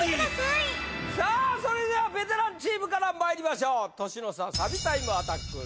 それではベテランチームからまいりましょう年の差！